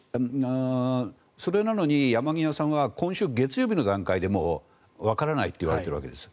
それなのに山際さんは今週月曜日の段階でわからないと言われているわけです。